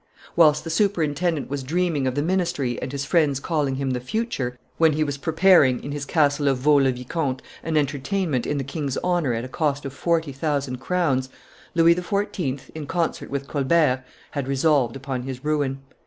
Whilst the superintendent was dreaming of the ministry and his friends calling him the Future, when he was preparing, in his castle of Vaux le Vicomte, an entertainment in the king's honor at a cost of forty thousand crowns, Louis XIV., in concert with Colbert, had resolved upon his ruin.